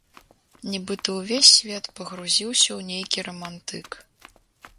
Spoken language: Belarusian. Нібыта ўвесь свет пагрузіўся ў нейкі рамантык.